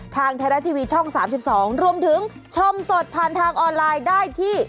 ทางไทยรัฐทีวีช่อง๓๒รวมถึงชมสดผ่านทางออนไลน์ได้ที่